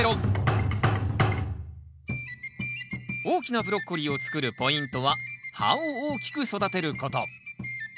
大きなブロッコリーを作るポイントは葉を大きく育てること。